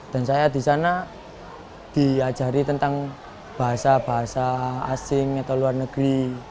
dan saya disana diajari tentang bahasa bahasa asing atau luar negeri